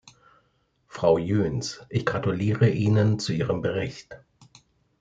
Frau Jöns, ich gratuliere Ihnen zu Ihrem Bericht.